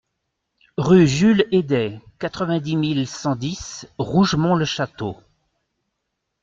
Rue Jules Heidet, quatre-vingt-dix mille cent dix Rougemont-le-Château